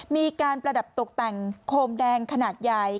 มีการประดับตกแต่งโคมแดงขนาดใหญ่